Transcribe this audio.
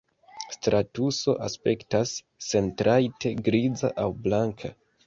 Stratuso aspektas sentrajte griza aŭ blanka.